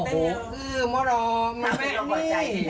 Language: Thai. หูอื้อมะล้อมาแม่งแน่